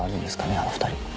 あの２人。